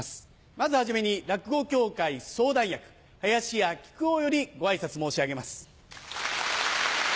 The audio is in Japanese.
まず始めに落語協会相談役林家木久扇よりご挨拶申し上げます。